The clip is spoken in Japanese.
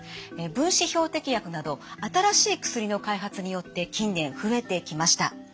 分子標的薬など新しい薬の開発によって近年増えてきました。